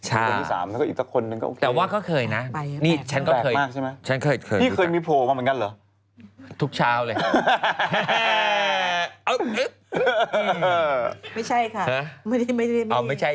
ใช่แต่ว่าเขาเคยนะนี่ฉันก็เคยแปลกมากใช่ไหม